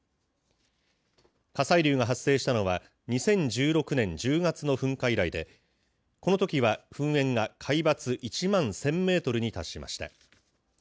火砕流が発生したのは、２０１６年１０月の噴火以来で、このときは噴煙が海抜１万１０００メートルに達しました。